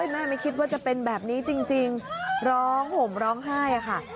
แม่ไม่คิดว่าจะเป็นแบบนี้จริงร้องห่มร้องไห้ค่ะ